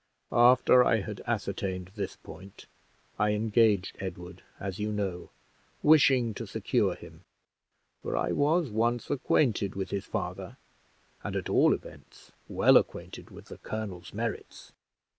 After I had ascertained this point, I engaged Edward, as you know, wishing to secure him, for I was once acquainted with his father, and at all events well acquainted with the colonel's merits.